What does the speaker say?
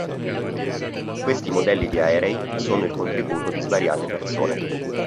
Questi modelli di aerei sono il contributo di svariate persone.